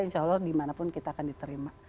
insya allah dimanapun kita akan diterima